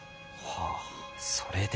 ああそれで。